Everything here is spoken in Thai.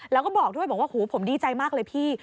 แล้วก็บอกด้วยผมดีใจมากเลยพี่